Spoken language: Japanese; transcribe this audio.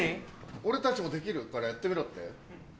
「俺たちもできるからやってみろ」って？